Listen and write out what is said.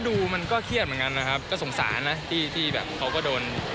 ดูมันก็เครียดเหมือนกันนะครับก็สงสารนะที่ที่แบบเขาก็โดน